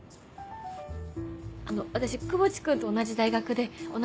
あの私窪地君と同じ大学で同じゼミで。